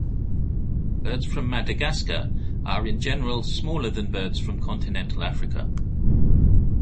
Birds from Madagascar are in general smaller than birds from continental Africa.